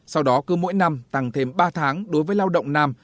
sau đó cứ mỗi năm tăng thêm ba tháng đối với lao động nam